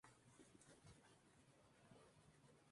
Ese mismo año el rey lo asciende a la nobleza.